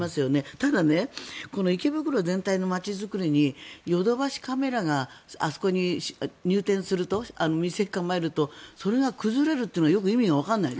ただね、池袋全体の街づくりにヨドバシカメラがあそこに店を構えるとそれが崩れるというのはよく意味がわからない。